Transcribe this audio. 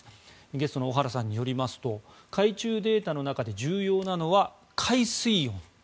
ゲストの小原さんによりますと海中データの中で重要なのは海水温。